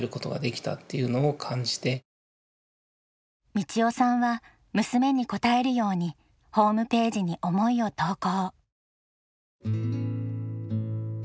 路夫さんは娘に応えるようにホームページに思いを投稿。